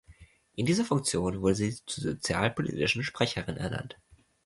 In dieser Funktion wurde sie zur sozialpolitischen Sprecherin ernannt.